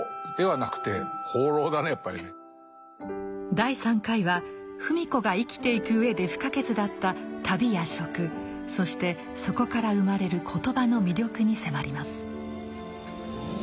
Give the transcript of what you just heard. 第３回は芙美子が生きていく上で不可欠だった旅や食そしてそこから生まれる言葉の魅力に迫ります。